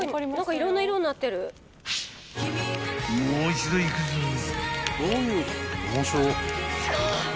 ［もう一度いくぞい］